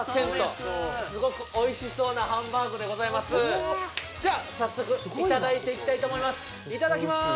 すごくおいしそうなハンバーグでございますでは早速いただいていきたいと思いますいただきます